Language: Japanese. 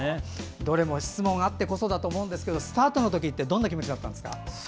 どれも質問あってこそだと思うんですがスタートの時ってどんな気持ちだったんですか？